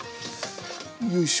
よいしょ。